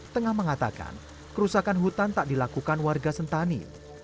tengah mengatakan kerusakan hutan tak dilakukan warga sentani